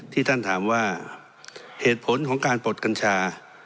ที่ท่านถามว่าเหตุผลของการปลดกัญชา